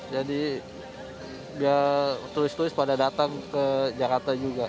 jadi biar tulis tulis pada datang ke jakarta juga